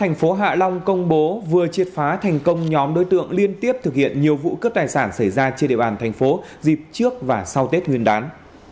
thành phố hạ long công bố vừa triệt phá thành công nhóm đối tượng liên tiếp thực hiện nhiều vụ cướp tài sản xảy ra trên địa bàn thành phố dịp trước và sau tết nguyên đán